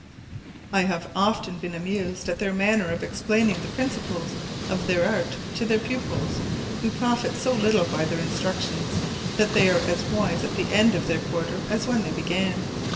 I have often been amused at their manner of explaining the principles of their art to their pupils, who profit so little by their instructions, that they are as wise at the end of their quarter as when they began.